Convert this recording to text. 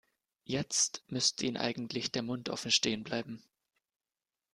Jetzt müsste Ihnen eigentlich der Mund offen stehen bleiben.